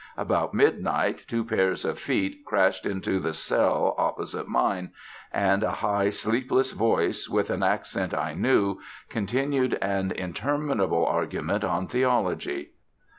About midnight two pairs of feet crashed into the cell opposite mine; and a high, sleepless voice, with an accent I knew, continued an interminable argument on theology.